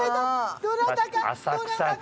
どなたか。